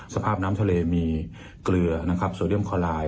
สภาพน้ำทะเลมีเกลือนะครับโซเดียมคอลาย